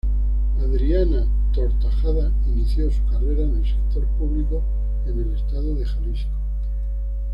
Adriana Tortajada inició su carrera en el sector público en el estado de Jalisco.